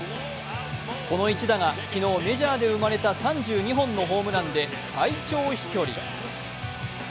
この１打が昨日、メジャーで生まれた３２本のホームランで最長飛距離。